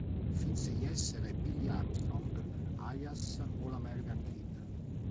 Finse di essere Billy Armstrong, alias All-American Kid.